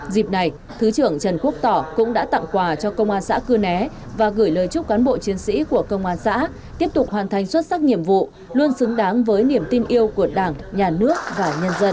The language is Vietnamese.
dịp này thứ trưởng trần quốc tỏ cũng đã tặng quà cho công an xã cư né và gửi lời chúc cán bộ chiến sĩ của công an xã tiếp tục hoàn thành xuất sắc nhiệm vụ luôn xứng đáng với niềm tin yêu của đảng nhà nước và nhân dân